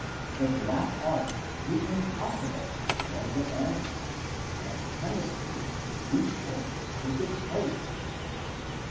The Black Art, the impossible, was abandoned, and chemistry, the useful, took its place.